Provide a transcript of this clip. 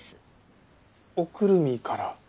おくるみから？